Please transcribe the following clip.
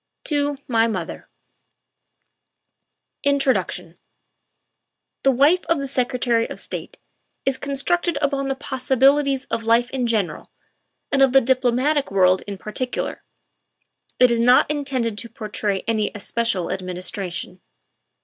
TO MY MOTHER 2138500 INTRODUCTION " The Wife of the Secretary of State" is constructed upon the possibilities of life in general and of the diplo matic world in particular. It is not intended to portray any especial administration.